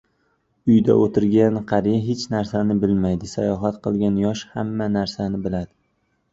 • Uyda o‘tirgan qariya hech narsani bilmaydi, sayohat qilgan yosh hamma narsani biladi.